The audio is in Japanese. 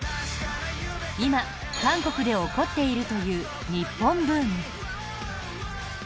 今、韓国で起こっているという日本ブーム。